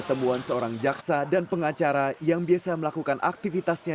temuan seorang jaksa dan pengacara yang biasa melakukan aktivitasnya